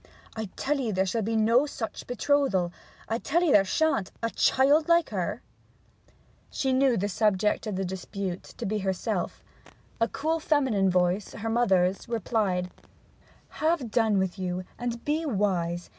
'I tell 'ee there shall be no such betrothal! I tell 'ee there sha'n't! A child like her!' She knew the subject of dispute to be herself. A cool feminine voice, her mother's, replied: 'Have done with you, and be wise.